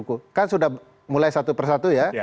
kan sudah mulai satu persatu ya